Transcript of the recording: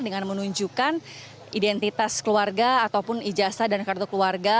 dengan menunjukkan identitas keluarga ataupun ijazah dan kartu keluarga